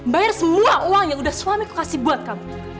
bayar semua uang yang sudah suamiku kasih buat kamu